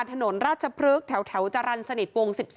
ถนนราชพฤกษ์แถวจรรย์สนิทวง๑๒